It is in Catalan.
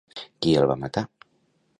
Qui el va matar?